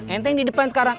enteng di depan sekarang